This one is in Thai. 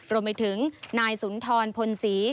รวมไปถึงนายสุนทรพลศรี